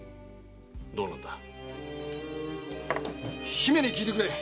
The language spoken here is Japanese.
姫に聞いてくれ！